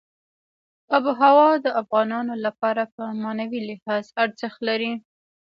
آب وهوا د افغانانو لپاره په معنوي لحاظ ارزښت لري.